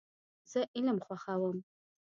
زه علم خوښوم .